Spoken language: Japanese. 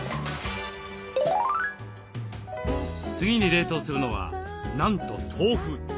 次に冷凍するのはなんと豆腐。